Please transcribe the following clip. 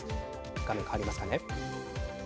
画面変わりますかね。